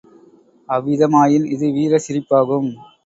அவ்விதமாயின் இது வீரச் சிரிப்பாகும்.